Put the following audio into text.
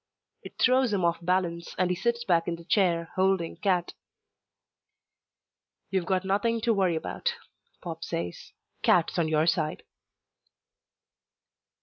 It throws him off balance and he sits back in the chair, holding Cat. "You've got nothing to worry about," Pop says. "Cat's on your side."